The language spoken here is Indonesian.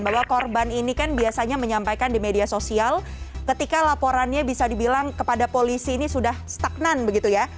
bahwa korban ini kan biasanya menyampaikan di media sosial ketika laporannya bisa dibilang kepada polisi ini sudah stagnan begitu ya